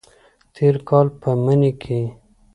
تیر کال په مني کې